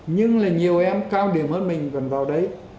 nhưng là nhiều em cao điểm hơn mình cần vào đấy